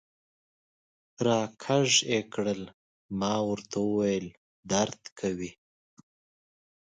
را کږ یې کړل، ما ورته وویل: درد کوي.